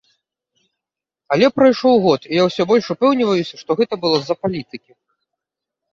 Але прайшоў год, і я ўсё больш упэўніваюся, што гэта было з-за палітыкі.